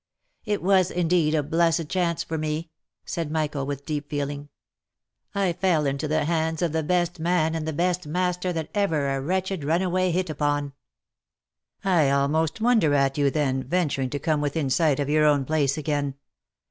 " It was, indeed, a blessed chance for me !" said Michael, with deep 316 LIFE AND ADVENTURES feeling. " I fell into the hands of the best man and the best master that ever a wretched runaway hit upon." i( I almost wonder at you then venturing to come within sight of your own place again.